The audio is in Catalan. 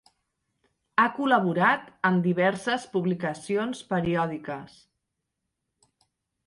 Ha col·laborat en diverses publicacions periòdiques.